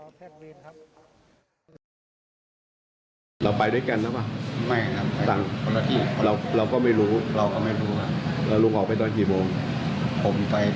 ก็ยินเสียงอะไรยังไง